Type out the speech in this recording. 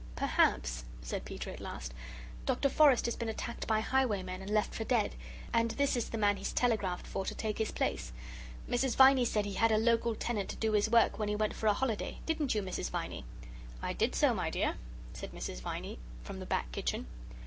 "Perhaps," said Peter at last, "Dr. Forrest has been attacked by highwaymen and left for dead, and this is the man he's telegraphed for to take his place. Mrs. Viney said he had a local tenant to do his work when he went for a holiday, didn't you, Mrs. Viney?" "I did so, my dear," said Mrs. Viney from the back kitchen.